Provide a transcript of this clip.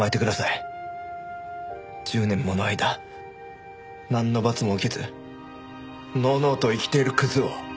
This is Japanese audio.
１０年もの間なんの罰も受けずのうのうと生きているクズを。